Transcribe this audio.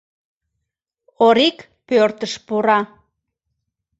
Орик пӧртыш пура.